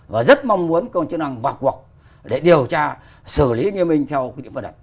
và rất mong muốn công chức năng vào cuộc để điều tra xử lý nghiêm minh theo quy định pháp luật